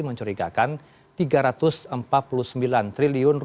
mencurigakan rp tiga ratus empat puluh sembilan triliun